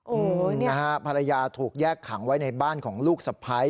อืมนะฮะภรรยาถูกแยกขังไว้ในบ้านของลูกสะพ้าย